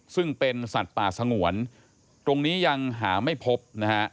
ซึ่งเป็นสัตว์ป่าสงวนตรงนี้ยังหาไม่พบนะฮะ